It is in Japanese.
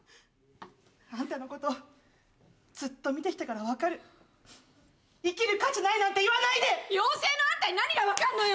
あんたのことずっと見てきたから分かる生きる価値ないなんて言わないで妖精のあんたに何が分かるのよ！